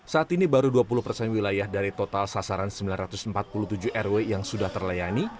saat ini baru dua puluh persen wilayah dari total sasaran sembilan ratus empat puluh tujuh rw yang sudah terlayani